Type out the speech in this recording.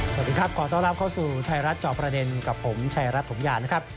สวัสดีครับขอต้อนรับเข้าสู่ไทยรัฐจอบประเด็นกับผมชายรัฐถมยานะครับ